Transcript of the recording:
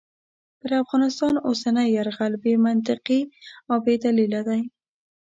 پر افغانستان اوسنی یرغل بې منطقې او بې دلیله دی.